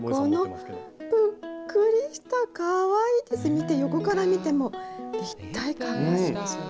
見て横から見ても立体感がありますよね。